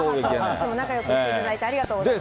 母と仲よくしていただいてありがとうございます。